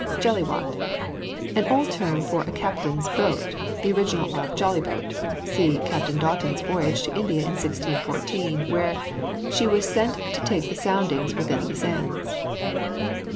GELLYWATTE. An old term for a captain's boat, the original of jolly boat. (See Captain Downton's voyage to India in 1614, where "she was sent to take soundings within the sands.")